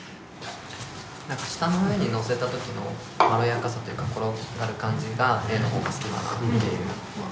何か舌の上にのせたときのまろやかさというか転がる感じがＡのほうが好きだなっていう